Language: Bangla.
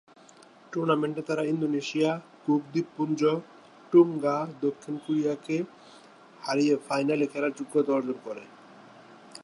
টুর্নামেন্টে তারা ইন্দোনেশিয়া, কুক দ্বীপপুঞ্জ, টোঙ্গা, দক্ষিণ কোরিয়া কে হারিয়ে ফাইনালে খেলার যোগ্যতা অর্জন করে।